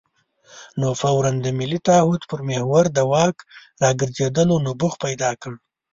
نو فوراً د ملي تعهد پر محور د واک راګرځېدلو نبوغ پیدا کړي.